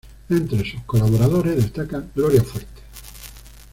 Entre sus colaboradores destaca Gloria Fuertes.